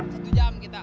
satu jam kita